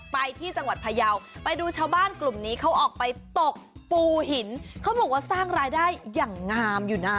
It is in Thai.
ไปที่จังหวัดพยาวไปดูชาวบ้านกลุ่มนี้เขาออกไปตกปูหินเขาบอกว่าสร้างรายได้อย่างงามอยู่นะ